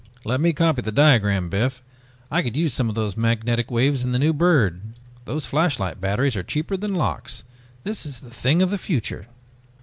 "Let me copy the diagram, Biff, I could use some of those magnetic waves in the new bird!" "Those flashlight batteries are cheaper than lox, this is the thing of the future!"